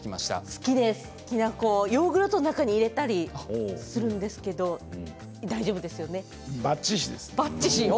好きですヨーグルトの中に入れるんですが大丈夫ですよね。